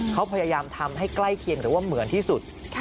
เขาพยายามทำให้ใกล้เคียงหรือว่าเหมือนที่สุด